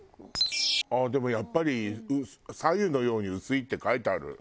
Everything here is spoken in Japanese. ああでもやっぱり「白湯のように薄い」って書いてある。